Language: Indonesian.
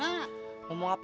aduh gimana tuh